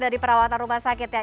dari perawatan rumah sakit ya